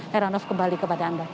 heranof kembali kepada anda